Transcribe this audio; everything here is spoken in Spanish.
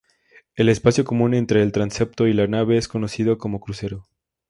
El espacio común entre el transepto y la nave es conocido como crucero.